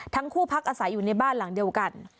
พักอาศัยอยู่ในบ้านหลังเดียวกัน